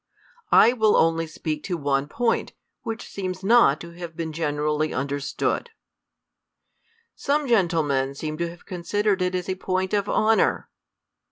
1 will only speak to one point, which seems not to have been generally understood. Some gentlemen seem to have considered it as a point of honor.